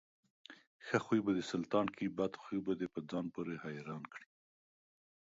ښه خوى به دسلطان کړي، بدخوى به دپرځان پورې حيران کړي.